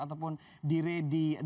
ataupun dire di daerah